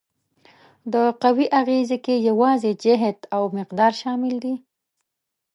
د قوې اغیزې کې یوازې جهت او مقدار شامل دي؟